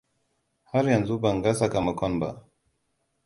Har yanzu ban ga sakamakon ba.